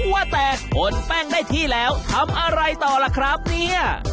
ว่าแต่คนแป้งได้ที่แล้วทำอะไรต่อล่ะครับเนี่ย